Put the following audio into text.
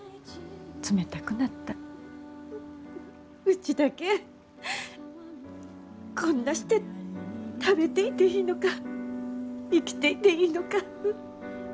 うちだけこんなして食べていていいのか生きていていいのか。